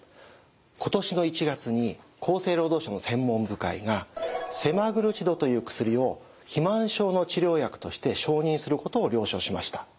今年の１月に厚生労働省の専門部会がセマグルチドという薬を肥満症の治療薬として承認することを了承しました。